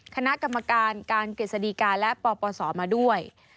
คณะกรรมการการกฤษฎีกาและปปศมาด้วย